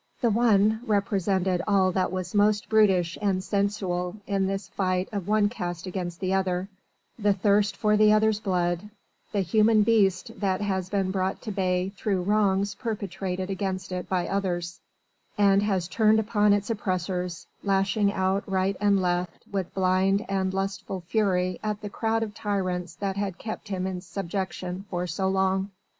The one represented all that was most brutish and sensual in this fight of one caste against the other, the thirst for the other's blood, the human beast that has been brought to bay through wrongs perpetrated against it by others and has turned upon its oppressors, lashing out right and left with blind and lustful fury at the crowd of tyrants that had kept him in subjection for so long.